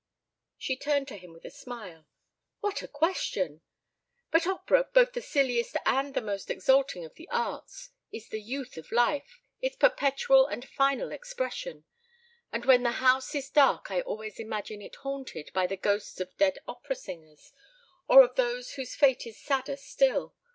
She turned to him with a smile. "What a question! ... But opera, both the silliest and the most exalting of the arts, is the Youth of Life, its perpetual and final expression. And when the house is dark I always imagine it haunted by the ghosts of dead opera singers, or of those whose fate is sadder still.